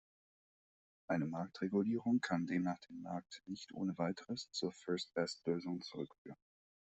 Eine Marktregulierung kann demnach den Markt nicht ohne Weiteres zur First-Best-Lösung zurückführen.